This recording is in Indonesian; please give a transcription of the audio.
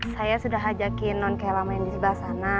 saya sudah hajakin non kelamin di sebelah sana